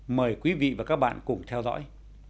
mời quý vị và các bạn cùng theo dõi